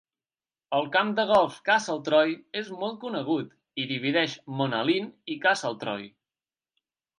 El camp de golf Castletroy és molt conegut i divideix Monaleen i Castletroy.